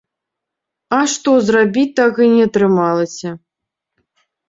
А што зрабіць так і не атрымалася?